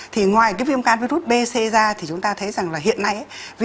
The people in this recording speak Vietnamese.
thì ngoài cái viêm gan virus b ra thì chúng ta thấy rằng là hiện nay